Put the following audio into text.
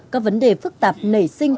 các vấn đề phức tạp nảy sinh